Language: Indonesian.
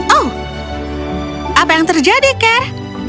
oh apa yang terjadi care